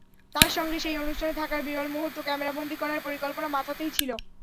তাঁর সঙ্গে সেই অনুষ্ঠানে থাকার বিরল মুহূর্ত ক্যামেরাবন্দী করার পরিকল্পনা মাথাতেই ছিল।